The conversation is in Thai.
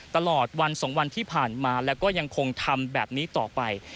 ตลอดวัน๒วันที่ผ่านมาแล้วก็ยังคงทำแบบนี้ต่อไป